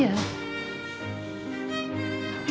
apalagi anak seumur dia